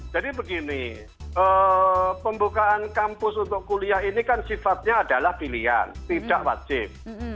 jadi begini pembukaan kampus untuk kuliah ini kan sifatnya adalah pilihan tidak pasif